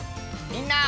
みんな！